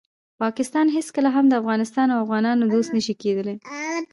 پاکستان هیڅکله هم د افغانستان او افغانانو دوست نشي کیدالی.